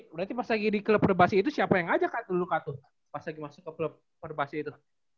berarti pas lagi di klub perbasih itu siapa yang ngajak dulu kak tuh pas lagi masuk ke klub perbasih itu